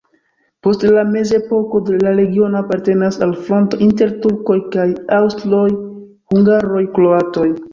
Post la mezepoko la regiono apartenis al fronto inter turkoj kaj aŭstroj-hungaroj-kroatoj.